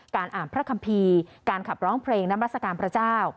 การอ่านพระคัมภีร์การขับร้องเพลงน้ำมัศกาลพระเจ้า